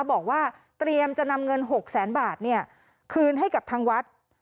บอกว่าเตรียมจะนำเงิน๖แสนบาทคืนให้กับทางวัด